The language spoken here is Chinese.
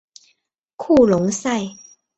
库隆塞。